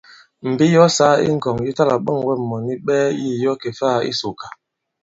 Mbe yi ɔ sāa i ŋkɔ̀ŋ yi ta-là-ɓɔ᷇ŋ wɛ mɔ̀ni ɓɛɛ yî yi ɔ kè-faā i Sòkà.